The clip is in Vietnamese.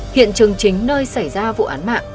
hiện trường chính nơi xảy ra vụ án mạng